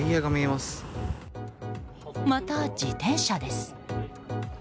また自転車です。